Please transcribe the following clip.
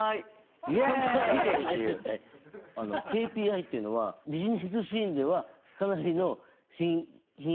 あのＫＰＩっていうのはビジネスシーンではかなりの頻出単語。